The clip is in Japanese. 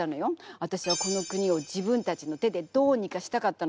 あたしはこの国を自分たちの手でどうにかしたかったの。